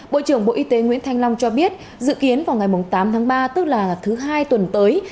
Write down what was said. bộ trưởng bộ y tế nguyễn thanh long cho biết dự kiến vào ngày tám tháng ba tức là thứ hai tuần tới